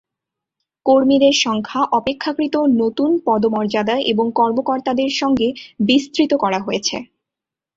কর্মীদের সংখ্যা অপেক্ষাকৃত নতুন পদমর্যাদা এবং কর্মকর্তাদের সঙ্গে, বিস্তৃত করা হয়েছে।